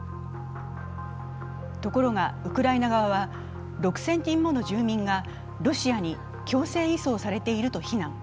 ところが、ウクライナ側は６０００人もの住民がロシアに強制移送されていると非難。